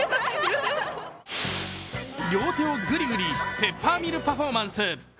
両手をぐりぐりペッパーミルパフォーマンス。